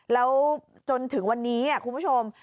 แล้วจนถึงวันนี้คุณผู้ชม